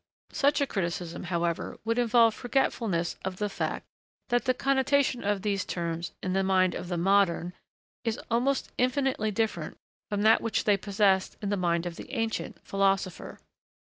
Such a criticism, however, would involve forgetfulness of the fact, that the connotation of these terms, in the mind of the modern, is almost infinitely different from that which they possessed in the mind of the ancient, philosopher.